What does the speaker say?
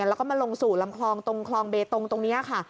แล้วก็มาลงสู่ลำคลองตรงคลองเบตงตรงนี้ค่ะ